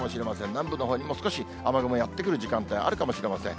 南部のほうにも少し雨雲やって来る時間帯あるかもしれません。